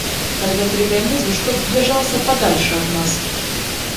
Тогда передай мужу, чтобы держался подальше от нас!